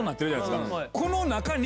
この中に。